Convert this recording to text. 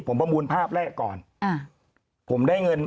ผมประมูลภาพแรกก่อน